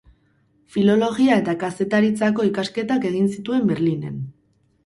Filologia eta kazetaritzako ikasketak egin zituen Berlinen.